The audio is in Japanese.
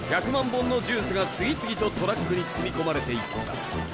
本のジュースが次々とトラックに積み込まれていった。